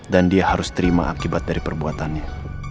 dan dia harus terima akibat dari perbuatannya